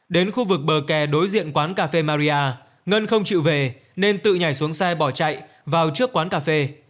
đến khu vực bờ kè đối diện quán cà phê maria ngân không chịu về nên tự nhảy xuống xe bỏ chạy vào trước quán cà phê